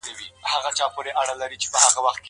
په کور کي د اولادونو څارنه وکړه.